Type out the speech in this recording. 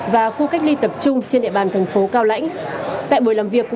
và khu cách ly tập trung trên địa bàn thành phố cao lãnh